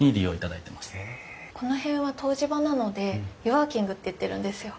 この辺は湯治場なので「湯ワーキング」っていってるんですよ。